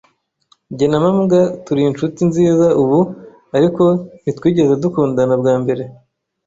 Jye na mabwa turi inshuti nziza ubu, ariko ntitwigeze dukundana bwa mbere.